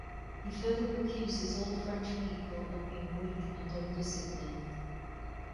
He further accuses all French people of being weak and undisciplined.